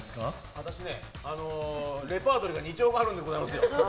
私ね、レパートリーが２兆個あるんでございますよ。